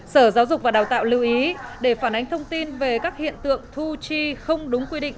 sở giáo dục và đào tạo lưu ý để phản ánh thông tin về các hiện tượng thu chi không đúng quy định